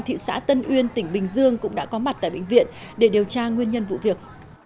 thị xã tân uyên tỉnh bình dương cũng đã có mặt tại bệnh viện để điều tra nguyên nhân vụ việc